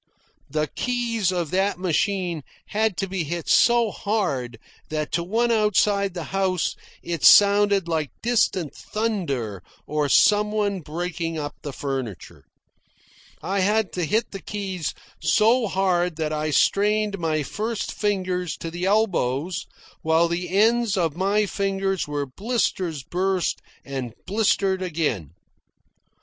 The keys of that machine had to be hit so hard that to one outside the house it sounded like distant thunder or some one breaking up the furniture. I had to hit the keys so hard that I strained my first fingers to the elbows, while the ends of my fingers were blisters burst and blistered again.